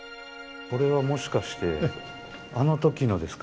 これはもしかしてあの時のですか？